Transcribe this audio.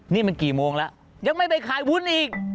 นี่มันกี่โมงแล้วยังไม่ไปขายวุ้นอีก